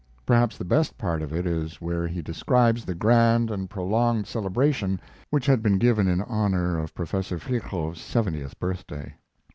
Perhaps the best part of it is where he describes the grand and prolonged celebration which had been given in honor of Professor Virchow's seventieth birthday.